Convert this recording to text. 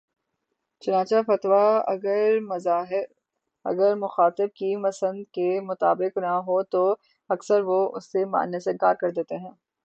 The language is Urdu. چنانچہ فتویٰ اگر مخاطب کی پسند کے مطابق نہ ہو تو اکثر وہ اسے ماننے سے انکار کر دیتا ہے